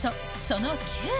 その９。